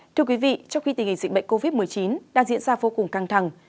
thưa quý vị trong khi tình hình dịch bệnh covid một mươi chín đang diễn ra vô cùng căng thẳng